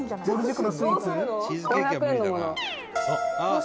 ５００円のもの？」